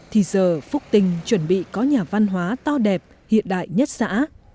thì giờ phúc tinh chuẩn bị có nhà văn hóa to đẹp hiện đại nhất xã